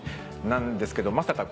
なんですけどまさか。